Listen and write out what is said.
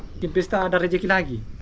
bikin pesta ada rejeki lagi